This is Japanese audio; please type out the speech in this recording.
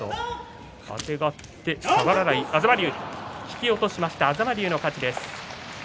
引き落としました東龍の勝ちです。